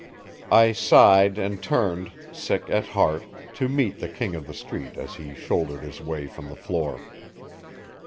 I sighed and turned, sick at heart, to meet the King of the Street as he shouldered his way from the floor.